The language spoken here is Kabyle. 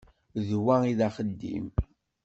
D wa i d axeddim!